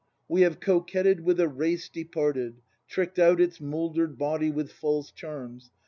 "We have coquetted with a race departed; Trick 'd out its moulder'd body with false charms.